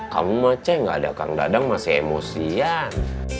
kamu mah ceng gak ada kak dagang masih emosian